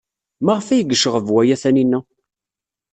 Maɣef ay yecɣeb waya Taninna?